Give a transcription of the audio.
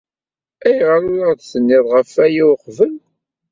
Ayɣer ur aɣ-d-tenniḍ ɣef waya uqbel?